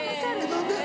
何で？